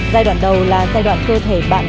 giai đoạn đầu là giai đoạn cơ thể bạn